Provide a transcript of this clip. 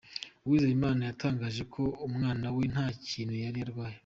Uwizeyimana yatangaje ko umwana we nta n’ikintu yari arwaye.